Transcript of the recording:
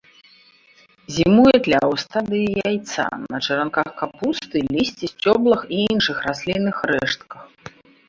Зімуе тля ў стадыі яйца на чаранках капусты, лісці, сцёблах і іншых раслінных рэштках.